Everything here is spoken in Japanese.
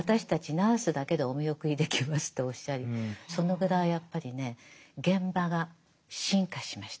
ナースだけでお見送りできますっておっしゃりそのぐらいやっぱりね現場が進化しました。